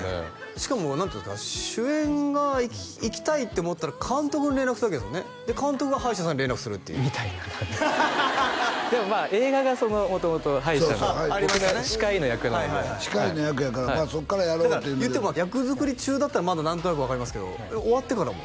しかも何ていうんですか主演が行きたいって思ったら監督に連絡するわけですもんねで監督が歯医者さんに連絡するっていうみたいな感じでも映画が元々歯医者の僕が歯科医の役なので歯科医の役やからそっからやろうっていうのでいっても役作り中だったらまだ何となく分かりますけど終わってからも？